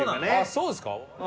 そうですか？